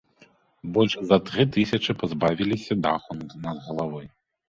Больш за тры тысячы пазбавіліся даху над галавой.